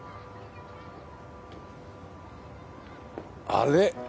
あれ？